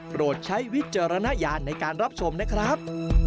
ใช้วิจารณญาณในการรับชมนะครับ